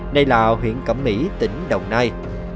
đây là huyện cẩm mỹ tỉnh đồng nai